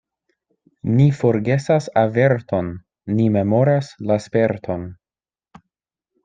Ni forgesas averton, ni memoras la sperton.